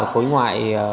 khối ngoại có khó khăn